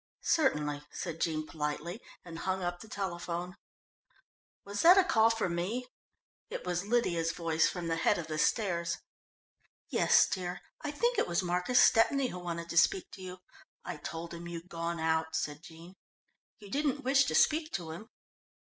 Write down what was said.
"Certainly," said Jean politely, and hung up the telephone. "Was that a call for me?" It was Lydia's voice from the head of the stairs. "Yes, dear. I think it was Marcus Stepney who wanted to speak to you. I told him you'd gone out," said Jean. "You didn't wish to speak to him?"